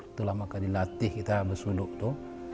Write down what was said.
itulah maka dilatih kita bersuluk itu